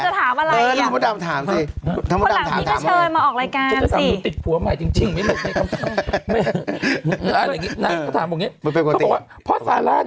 ถ้าเป็นพูดว่าดำจะถามอะไรอย่าง